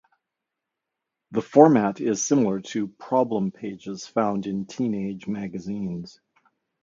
The format is similar to "problem pages" found in teenage magazines.